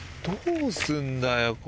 どうすんだよ